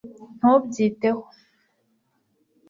ntubyiteho